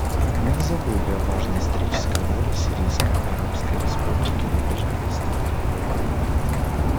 Мы не забыли о важной исторической роли Сирийской Арабской Республики на Ближнем Востоке.